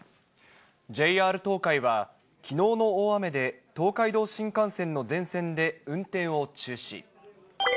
ＪＲ東海は、きのうの大雨で東海道新幹線の全線で運転を中止。